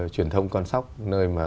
truyền thông con sóc nơi mà